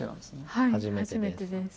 はい初めてです。